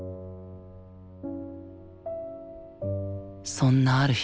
そんなある日。